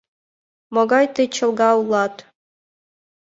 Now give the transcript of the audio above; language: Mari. Могай тый чолга улат!